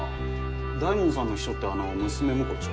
大門さんの秘書ってあの娘婿でしょ？